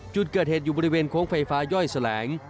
จุดเกิดเหตุอยู่บริเวณโค้งไฟฟ้าย่อยแสลง